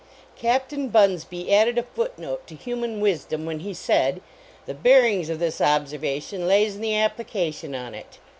Captain Bunsby added a foot note to human wisdom when he said, "The bearings of this observation lays in the application on it."